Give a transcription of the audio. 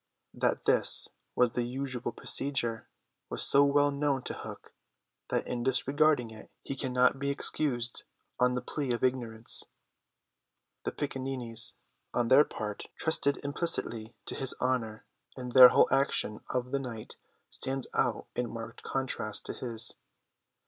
That this was the usual procedure was so well known to Hook that in disregarding it he cannot be excused on the plea of ignorance. The Piccaninnies, on their part, trusted implicitly to his honour, and their whole action of the night stands out in marked contrast to his.